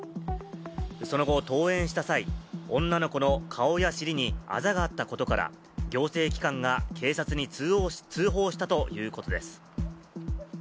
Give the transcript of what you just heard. その後、登園した際、女の子の顔やお尻にあざがあったことから、行政機関が警察に通報したということです。